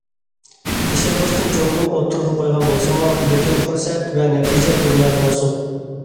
« تەشەببۇسنى جۇڭگو ئوتتۇرىغا قويغان بولسىمۇ، لېكىن پۇرسەت ۋە نەتىجە دۇنياغا مەنسۇپ».